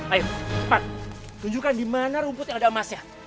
ayo empat tunjukkan di mana rumput yang ada emasnya